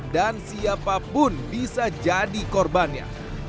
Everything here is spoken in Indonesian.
dan siapapun bisa jadi korbannya